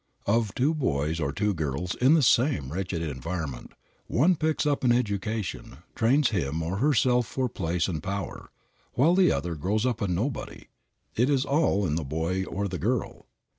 Of two boys or two girls in the same wretched environment, one picks up an education, trains himself or herself for place and power, while the other grows up a nobody. It is all in the boy or the girl.